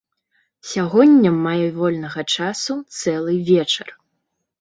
Сягоння маю вольнага часу цэлы вечар.